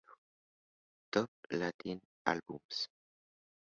Top Latin Albums.